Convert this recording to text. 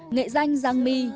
nghệ danh giang my